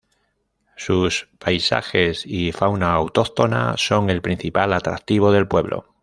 Sus paisajes y fauna autóctona son el principal atractivo del pueblo.